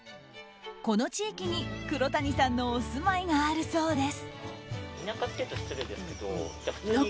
この地域に黒谷さんのお住まいがあるそうです。